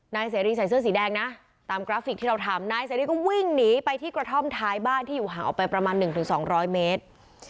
นายเสรีใส่เสื้อสีแดงนะตามกราฟิกที่เราทำนายเสรีก็วิ่งหนีไปที่กระท่อมท้ายบ้านที่อยู่ห่างออกไปประมาณ๑๒๐๐เมตร